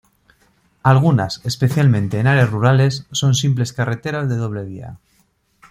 Algunas, especialmente en áreas rurales, son simples carreteras de doble vía.